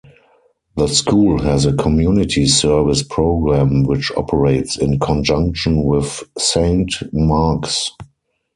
The School has a community service program, which operates in conjunction with Saint Mark's.